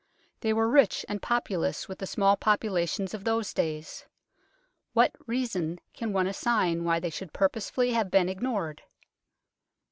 They were rich and populous with the small popula tions of those days. What reason can one assign why they should purposely have been ignored